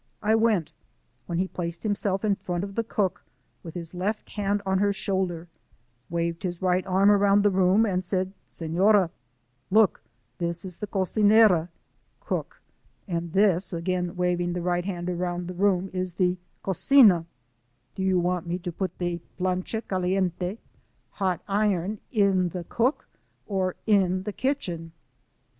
I went, when he placed himself in front of the cook, with his left hand on her shoulder, waved his right arm around the room and said :" Seflora, look ; this is the cocinera'* — (cook) —" and this, again wav ing the right hand around the room, " is the cocina / Do you want IN MOTHER NOAH'S SHOES. 6j me to put the plancha caliente (hot iron) in the cook, or in the kitchen